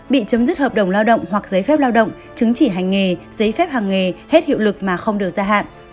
bị chấm dứt hợp đồng lao động hoặc giấy phép lao động chứng chỉ hành nghề giấy phép hành nghề hết hiệu lực mà không được gia hạn